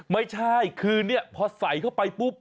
ไม่ใช่คือเนี่ยพอใส่เข้าไปปุ๊บ